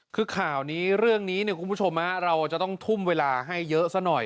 คือข่าวนี้เรื่องนี้เนี่ยคุณผู้ชมเราจะต้องทุ่มเวลาให้เยอะซะหน่อย